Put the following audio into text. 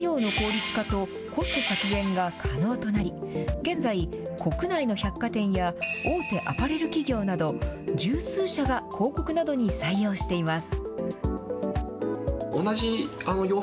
作業の効率化と、コスト削減が可能となり、現在、国内の百貨店や大手アパレル企業など、十数社が広告などに採用しています。